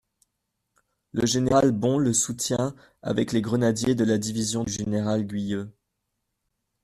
Le général Bon le soutient avec les grenadiers de la division du général Guieux.